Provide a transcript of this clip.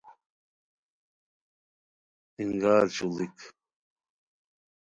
انگار چوڑیک